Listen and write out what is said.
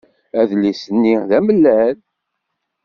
Adlis-nni d amellal.